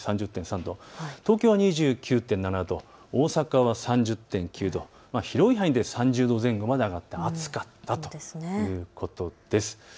東京は２９．７度、大阪は３０．９度、広い範囲で３０度前後まで上がって暑かったといういうことです。